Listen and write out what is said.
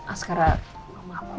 askara sama oma